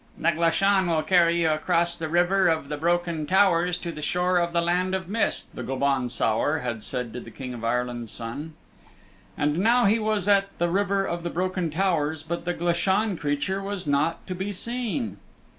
"The Glashan will carry you across the River of the Broken Towers to the shore of the Land of Mist," the Gobaun Saor had said to the King of Ireland's Son. And now he was at the River of the Broken Towers but the Glashan creature was not to be seen.